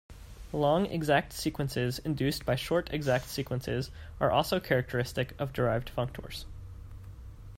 Long exact sequences induced by short exact sequences are also characteristic of derived functors.